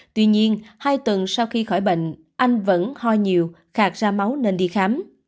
tuy nhiên hai tuần sau khi khỏi bệnh anh vẫn hoi nhiều khạt ra máu nên đi khám